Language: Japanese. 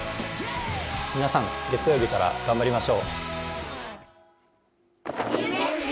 皆さん、月曜日から頑張りましょう。